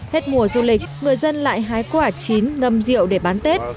hết mùa du lịch người dân lại hái quả chín ngâm rượu để bán tết